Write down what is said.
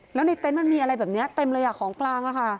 แล้วในเต็นต์มันมีอะไรแบบนี้เต็มเลยของกลาง